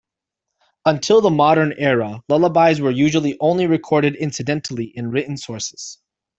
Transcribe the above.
Until the modern era lullabies were usually only recorded incidentally in written sources.